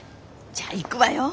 じゃあいくわよ。